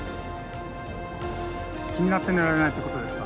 気になって寝られないということですか？